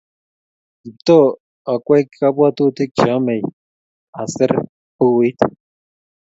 Kiptooo akwei kabwotutik che yamei aser bukuit